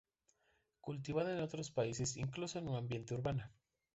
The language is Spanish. Cultivada en otras partes, incluso en ambiente urbano.